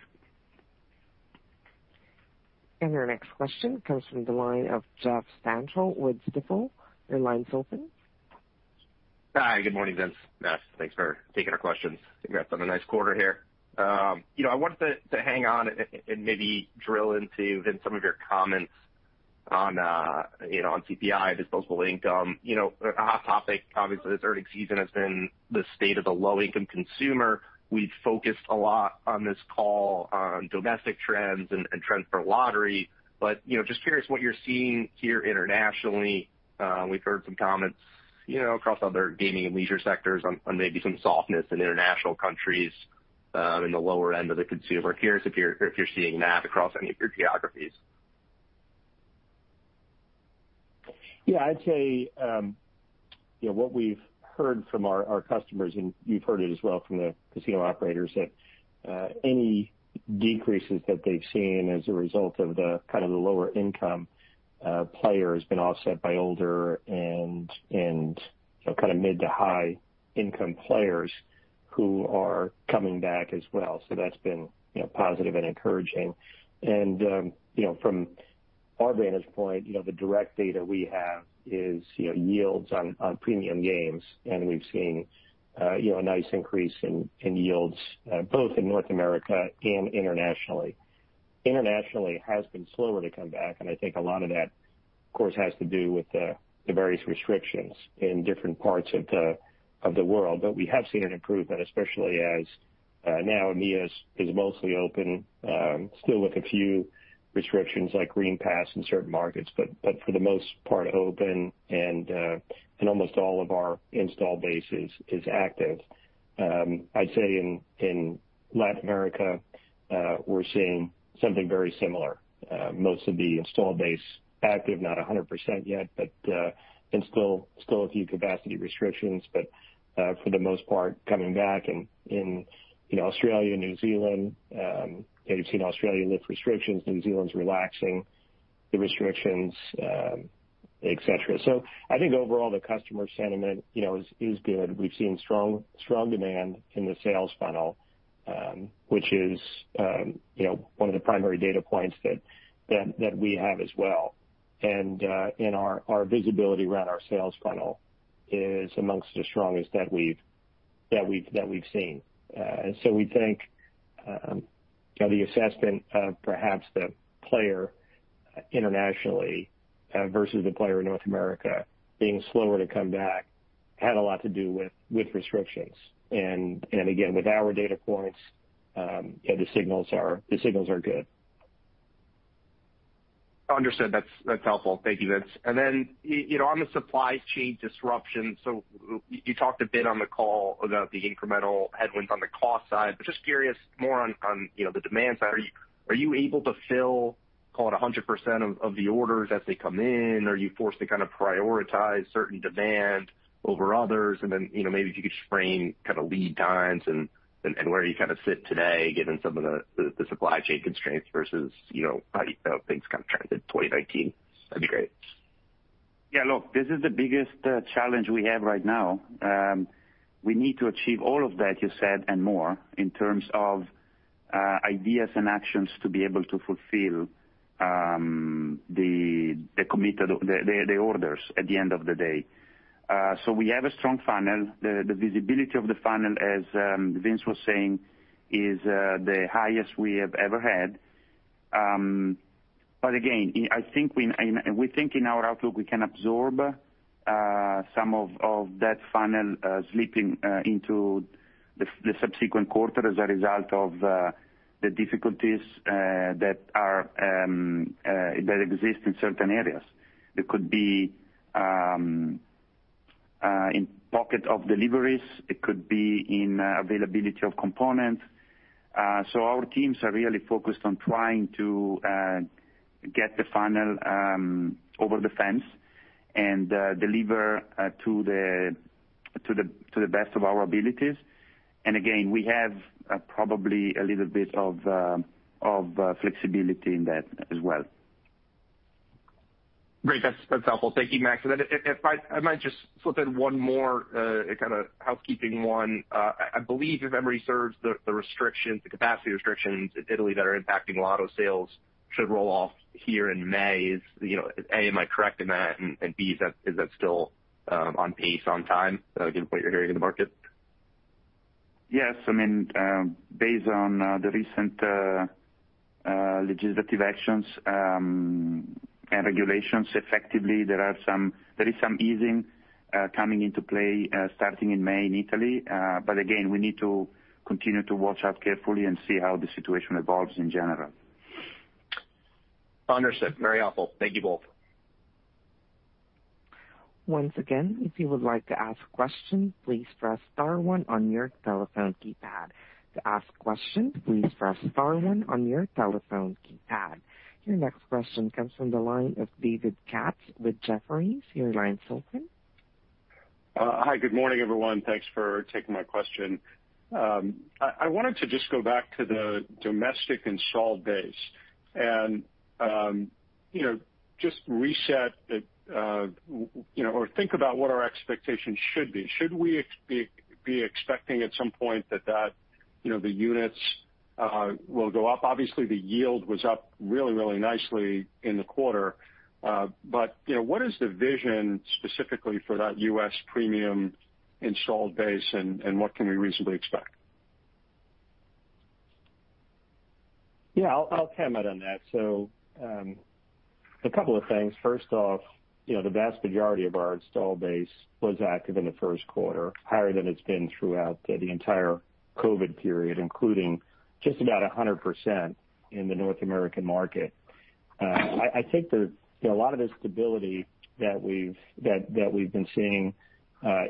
Our next question comes from the line of Jeff Stantial with Stifel. Your line's open. Hi, good morning, Vince, Max. Thanks for taking our questions. Congrats on a nice quarter here. You know, I wanted to hang on and maybe drill into them some of your comments on, you know, on CPI, disposable income. You know, a hot topic obviously this earnings season has been the state of the low-income consumer. We've focused a lot on this call on domestic trends and trends for lottery, but you know, just curious what you're seeing here internationally. We've heard some comments, you know, across other gaming and leisure sectors on maybe some softness in international countries in the lower end of the consumer. Curious if you're seeing that across any of your geographies. Yeah, I'd say you know what we've heard from our customers, and you've heard it as well from the casino operators, that any decreases that they've seen as a result of the kind of lower income player has been offset by older and you know kind of mid to high income players who are coming back as well. That's been positive and encouraging. From our vantage point, you know the direct data we have is yields on premium games, and we've seen a nice increase in yields both in North America and internationally. Internationally has been slower to come back, and I think a lot of that of course has to do with the various restrictions in different parts of the world. We have seen an improvement, especially as now EMEA is mostly open, still with a few restrictions like Green Pass in certain markets, but for the most part open and almost all of our install base is active. I'd say in Latin America, we're seeing something very similar. Most of the install base active, not 100% yet, but and still a few capacity restrictions, but for the most part coming back. In you know Australia, New Zealand, you know you've seen Australia lift restrictions, New Zealand's relaxing the restrictions, et cetera. I think overall the customer sentiment, you know, is good. We've seen strong demand in the sales funnel, which is, you know, one of the primary data points that we have as well. Our visibility around our sales funnel is among the strongest that we've seen. We think, you know, the assessment of perhaps the player internationally versus the player in North America being slower to come back had a lot to do with restrictions. With our data points, you know, the signals are good. Understood. That's helpful. Thank you, Vince. You know, on the supply chain disruption, you talked a bit on the call about the incremental headwinds on the cost side, but just curious more on, you know, the demand side. Are you able to fill, call it 100% of the orders as they come in? Are you forced to kind of prioritize certain demand over others? You know, maybe if you could frame kind of lead times and where you kind of sit today given some of the supply chain constraints versus, you know, how things kind of trended in 2019. That'd be great. Yeah, look, this is the biggest challenge we have right now. We need to achieve all of that you said and more in terms of ideas and actions to be able to fulfill the committed orders at the end of the day. We have a strong funnel. The visibility of the funnel, as Vince was saying, is the highest we have ever had. Again, I mean, we think in our outlook we can absorb some of that funnel slipping into the subsequent quarter as a result of the difficulties that exist in certain areas. It could be in pockets of deliveries, it could be in availability of components. Our teams are really focused on trying to get the funnel over the fence and deliver to the best of our abilities. Again, we have probably a little bit of flexibility in that as well. Great. That's helpful. Thank you, Max. Then if I might just slip in one more kind of housekeeping one. I believe if memory serves the capacity restrictions in Italy that are impacting lotto sales should roll off here in May. Is, you know, A, am I correct in that, and B, is that still on pace, on time, given what you're hearing in the market? Yes. I mean, based on the recent legislative actions and regulations, effectively there is some easing coming into play starting in May in Italy. Again, we need to continue to watch out carefully and see how the situation evolves in general. Understood. Very helpful. Thank you both. Once again, if you would like to ask a question, please press star one on your telephone keypad. To ask questions, please press star one on your telephone keypad. Your next question comes from the line of David Katz with Jefferies. Your line's open. Hi. Good morning, everyone. Thanks for taking my question. I wanted to just go back to the domestic installed base and, you know, just reset or think about what our expectations should be. Should we be expecting at some point that, you know, the units will go up? Obviously, the yield was up really, really nicely in the quarter. But, you know, what is the vision specifically for that U.S. premium installed base, and what can we reasonably expect? Yeah, I'll comment on that. A couple of things. First off, you know, the vast majority of our installed base was active in the Q1, higher than it's been throughout the entire COVID-19 period, including just about 100% in the North American market. I think there's, you know, a lot of the stability that we've been seeing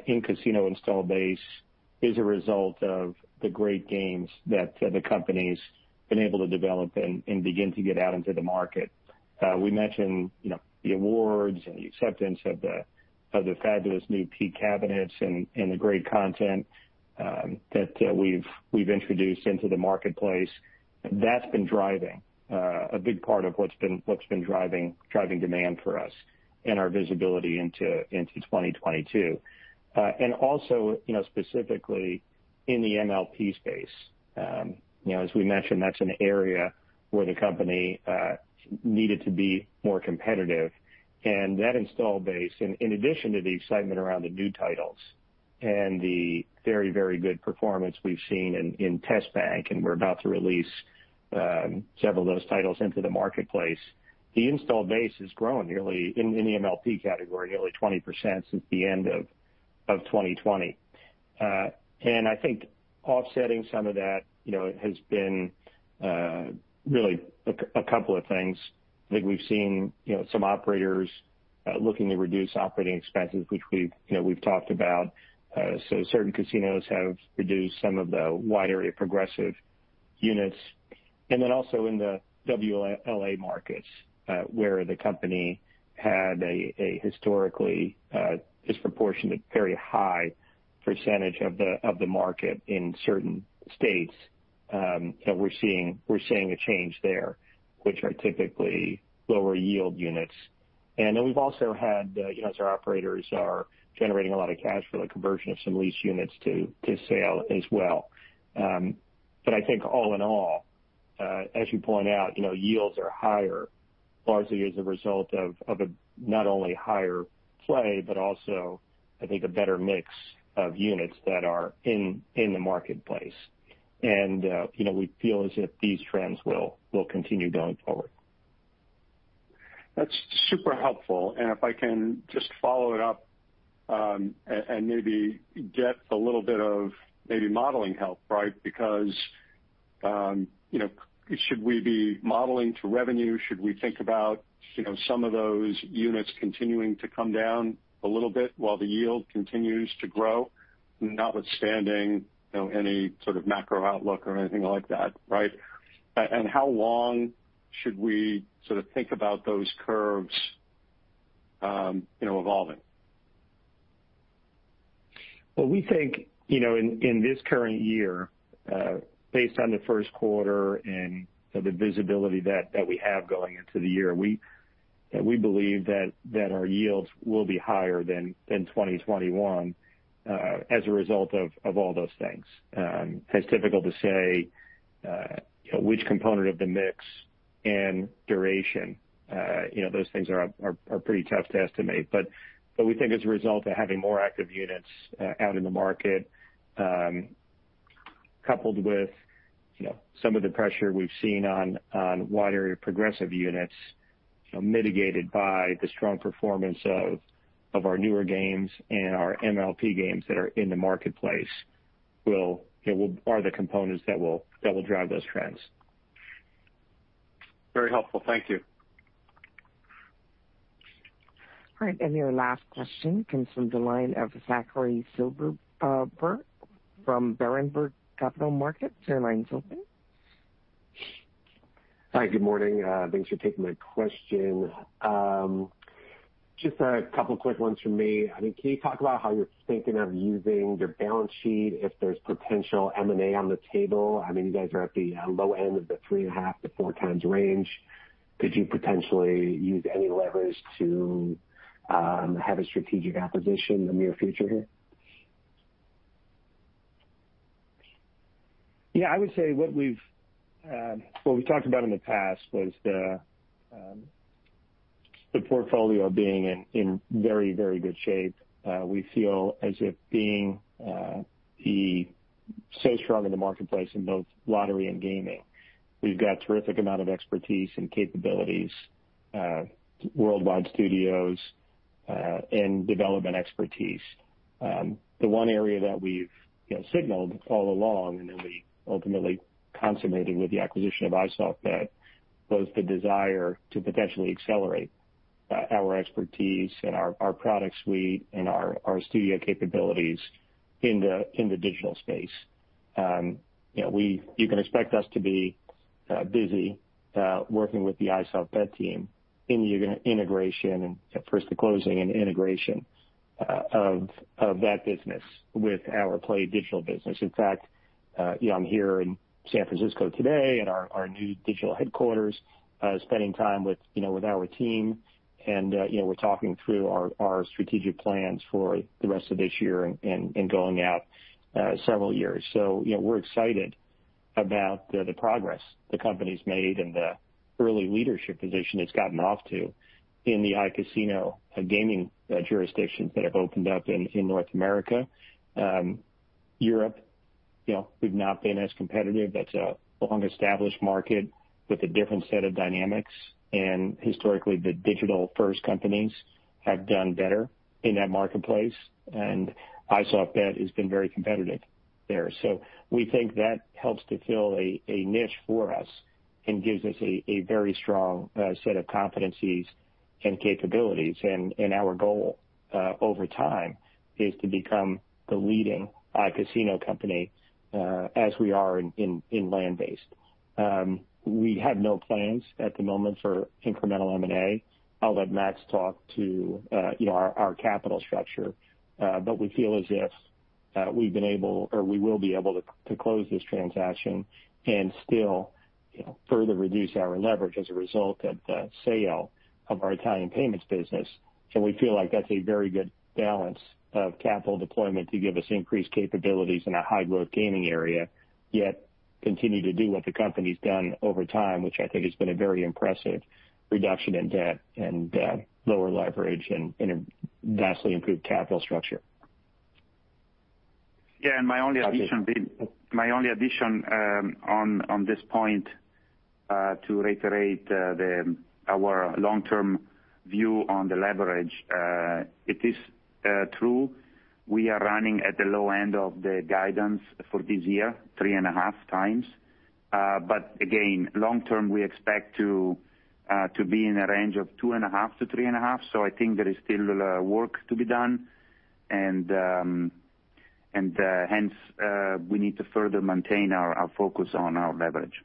in casino installed base is a result of the great games that the company's been able to develop and begin to get out into the market. We mentioned, you know, the awards and the acceptance of the fabulous new Peak cabinets and the great content that we've introduced into the marketplace. That's been driving a big part of what's been driving demand for us and our visibility into 2022. Also, you know, specifically in the MLP space, you know, as we mentioned, that's an area where the company needed to be more competitive. That install base, in addition to the excitement around the new titles and the very good performance we've seen in test bank and we're about to release several of those titles into the marketplace, has grown nearly 20% in the MLP category since the end of 2020. I think offsetting some of that, you know, has been really a couple of things. I think we've seen, you know, some operators looking to reduce operating expenses, which we've, you know, we've talked about. Certain casinos have reduced some of the wide area progressive units. Then also in the WLA markets, where the company had a historically disproportionately very high percentage of the market in certain states, that we're seeing a change there, which are typically lower yield units. We've also had, you know, as our operators are generating a lot of cash for the conversion of some lease units to sale as well. I think all in all, as you point out, you know, yields are higher, largely as a result of a not only higher play, but also I think a better mix of units that are in the marketplace. You know, we feel as if these trends will continue going forward. That's super helpful. If I can just follow it up, and maybe get a little bit of maybe modeling help, right? Because, you know, should we be modeling to revenue? Should we think about, you know, some of those units continuing to come down a little bit while the yield continues to grow, notwithstanding, you know, any sort of macro outlook or anything like that, right? How long should we sort of think about those curves, you know, evolving? Well, we think, you know, in this current year, based on the Q1 and the visibility that we have going into the year, we believe that our yields will be higher than 2021, as a result of all those things. It's difficult to say, you know, which component of the mix and duration, you know, those things are pretty tough to estimate. We think as a result of having more active units out in the market, coupled with, you know, some of the pressure we've seen on wide-area progressive units, you know, mitigated by the strong performance of our newer games and our MLP games that are in the marketplace are the components that will drive those trends. Very helpful. Thank you. All right, your last question comes from the line of Zachary Silverberg from Berenberg Capital Markets. Your line's open. Hi. Good morning. Thanks for taking my question. Just a couple quick ones from me. I mean, can you talk about how you're thinking of using your balance sheet if there's potential M&A on the table? I mean, you guys are at the low end of the 3.5x-4x range. Could you potentially use any leverage to have a strategic acquisition in the near future here? Yeah, I would say what we talked about in the past was the portfolio being in very good shape. We feel as if, being so strong in the marketplace in both lottery and gaming, we've got terrific amount of expertise and capabilities, worldwide studios, and development expertise. The one area that we've you know signaled all along, and then we ultimately consummated with the acquisition of iSoftBet, was the desire to potentially accelerate our expertise and our product suite and our studio capabilities in the digital space. You know, you can expect us to be busy working with the iSoftBet team in the integration and first the closing and integration of that business with our PlayDigital business. In fact, you know, I'm here in San Francisco today at our new digital headquarters, spending time with you know, with our team and you know, we're talking through our strategic plans for the rest of this year and going out several years. You know, we're excited about the progress the company's made and the early leadership position it's gotten off to in the iCasino gaming jurisdictions that have opened up in North America. Europe, you know, we've not been as competitive. That's a long-established market with a different set of dynamics. Historically, the digital first companies have done better in that marketplace, and iSoftBet has been very competitive there. We think that helps to fill a niche for us and gives us a very strong set of competencies and capabilities. Our goal over time is to become the leading iCasino company as we are in land-based. We have no plans at the moment for incremental M&A. I'll let Max talk to you know our capital structure. But we feel as if we've been able or we will be able to close this transaction and still you know further reduce our leverage as a result of the sale of our Italian payments business. We feel like that's a very good balance of capital deployment to give us increased capabilities in a high-growth gaming area, yet continue to do what the company's done over time, which I think has been a very impressive reduction in debt and lower leverage and a vastly improved capital structure. Yeah. My only addition, Zach, on this point, to reiterate, our long-term view on the leverage, it is true, we are running at the low end of the guidance for this year, 3.5x. But again, long term, we expect to be in a range of 2.5x-3.5x. I think there is still work to be done, and hence, we need to further maintain our focus on our leverage.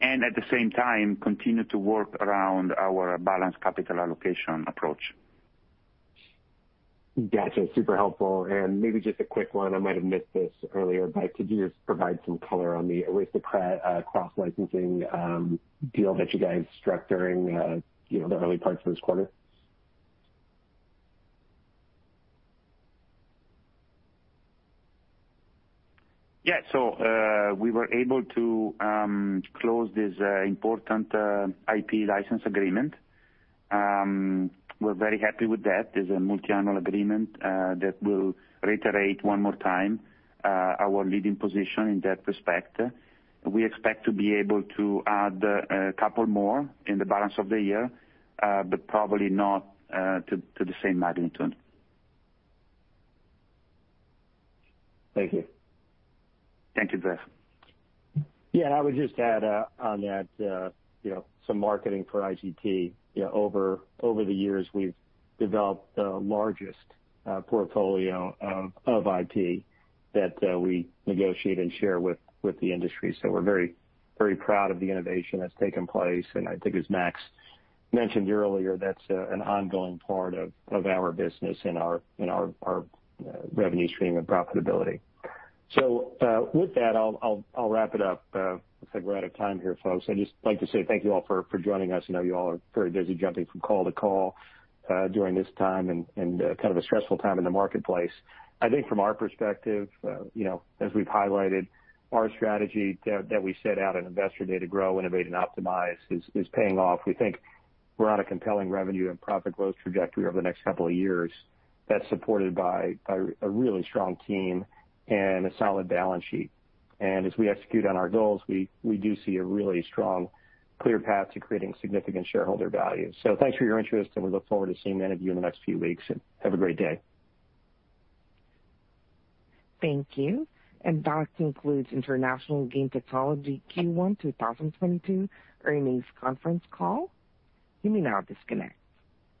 At the same time continue to work around our balanced capital allocation approach. Gotcha. Super helpful. Maybe just a quick one, I might have missed this earlier, but could you just provide some color on the Aristocrat cross-licensing deal that you guys struck during the early parts of this quarter? Yeah. We were able to close this important IP license agreement. We're very happy with that. There's a multi-annual agreement that will reiterate one more time our leading position in that respect. We expect to be able to add a couple more in the balance of the year, but probably not to the same magnitude. Thank you. Thank you, [Zach]. Yeah, I would just add on that, you know, some marketing for IGT. You know, over the years, we've developed the largest portfolio of IP that we negotiate and share with the industry. We're very proud of the innovation that's taken place. I think as Max mentioned earlier, that's an ongoing part of our business and our revenue stream and profitability. With that, I'll wrap it up. Looks like we're out of time here, folks. I'd just like to say thank you all for joining us. I know you all are very busy jumping from call to call during this time and kind of a stressful time in the marketplace. I think from our perspective, you know, as we've highlighted our strategy that we set out on investor day to grow, innovate, and optimize is paying off. We think we're on a compelling revenue and profit growth trajectory over the next couple of years that's supported by a really strong team and a solid balance sheet. As we execute on our goals, we do see a really strong, clear path to creating significant shareholder value. Thanks for your interest, and we look forward to seeing many of you in the next few weeks. Have a great day. Thank you. That concludes International Game Technology Q1 2022 Earnings Conference Call. You may now disconnect.